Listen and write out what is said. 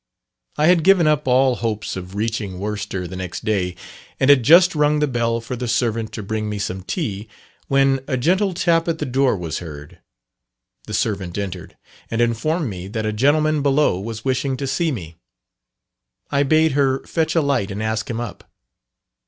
I had given up all hopes of reaching Worcester the next day, and had just rung the bell for the servant to bring me some tea, when a gentle tap at the door was heard the servant entered, and informed me that a gentleman below was wishing to see me. I bade her fetch a light and ask him up.